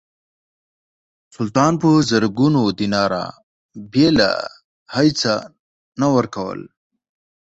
سلطان په زرګونو دیناره بېله هیڅه نه ورکول.